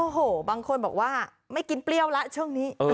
โอ้โหบางคนบอกว่าไม่กินเปรี้ยวแล้วช่วงนี้